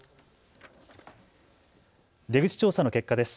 出口調査の結果です。